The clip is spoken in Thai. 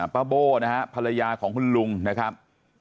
ป้าโบ้นะครับภรรยาของคุณลุงนะครับ